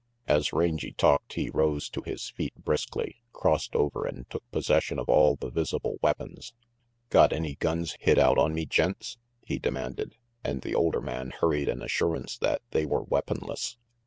As Rangy talked, he rose to his feet briskly, crossed over and took possession of all the visible weapons. "Got any guns hid out on me, gents?" he demanded, and the older man hurried an assurance that they were weaponless.